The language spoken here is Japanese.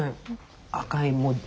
赤い。